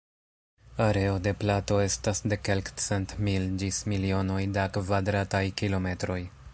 Areo de plato estas de kelkcent mil ĝis milionoj da kvadrataj kilometroj.